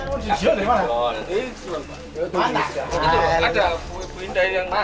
ada ibu indah yang terima surat